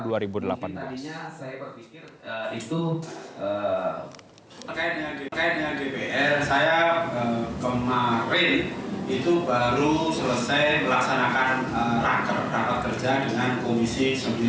dpr saya kemarin itu baru selesai melaksanakan rapat kerja dengan komisi sembilan